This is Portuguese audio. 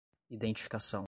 identificação